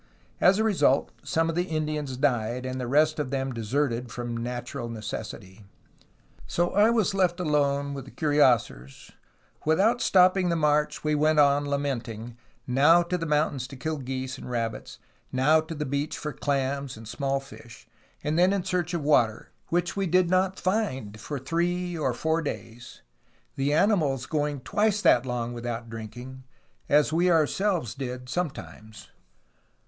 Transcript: As a result, some of the Indians died, and the rest of them deserted from natural necessity. "So I was left alone with the cuirassiers; without stopping the march, we went on, lamenting, now to the mountains to kill geese and rabbits, now to the beach for clams and small fish, and then in search of water, which we did not find for three or four days, the animals going twice that long without drinking, as we our selves did sometimes.